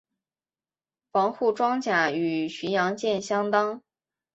防护装甲与巡洋舰相当。